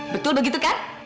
betul begitu kan